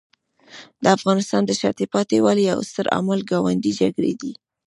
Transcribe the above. د افغانستان د شاته پاتې والي یو ستر عامل ګاونډي جګړې دي.